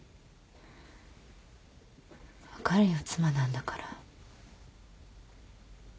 分かるよ妻なんだから。